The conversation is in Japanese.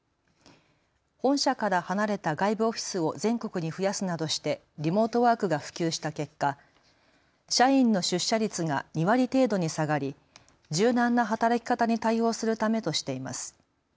本社から離れた外部オフィスを全国に増やすなどしてリモートワークが普及した結果、社員の出社率が２割程度に下がり柔軟な働き方に対応するためとしています。